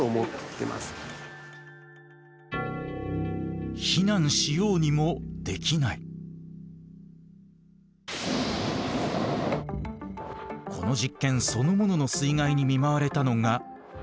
この実験そのものの水害に見舞われたのが。